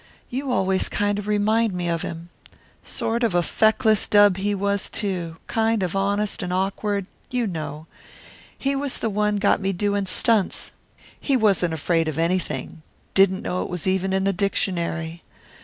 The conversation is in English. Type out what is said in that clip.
You always kind of remind me of him. Sort of a feckless dub he was, too; kind of honest and awkward you know. He was the one got me doing stunts. He wasn't afraid of anything. Didn't know it was even in the dictionary.